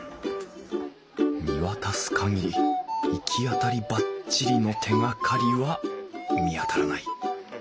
見渡す限りいきあたりバッチリの手がかりは見当たらない。